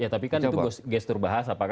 ya tapi kan itu gestur bahasa pak